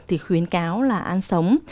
thì khuyến cáo là ăn sống